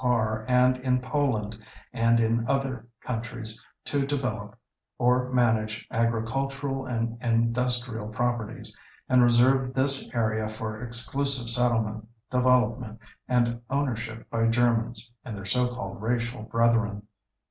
R. and in Poland and in other countries to develop or manage agricultural and industrial properties, and reserved this area for exclusive settlement, development, and ownership by Germans and their so called racial brethren.